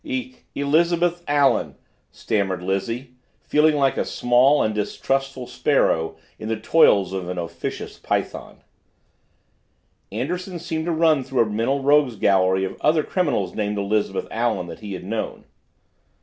"E Elizabeth Allen," stammered Lizzie, feeling like a small and distrustful sparrow in the toils of an officious python. Anderson seemed to run through a mental rogues gallery of other criminals named Elizabeth Allen that he had known.